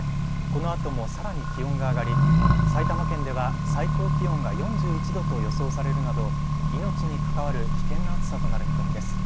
このあともさらに気温が上がり埼玉県では最高気温が４１度と予想されるなど、命に関わる危険な暑さとなる見込みです。